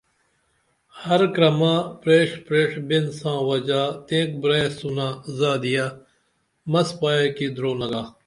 ہر کرمہ پریڜ پریڜ بین ساں وجا تیئک بریسونہ زادیہ مس پایہ کی درو نگا